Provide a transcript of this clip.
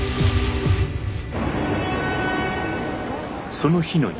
その日の夜。